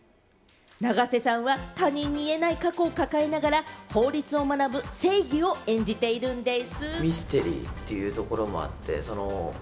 永瀬さんは他人に言えない過去を抱えながら法律を学ぶセイギを演じているんでぃす。